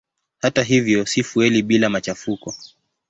Hata hivyo si fueli bila machafuko.